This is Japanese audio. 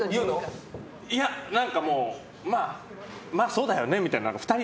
いやまあそうだよねみたいな。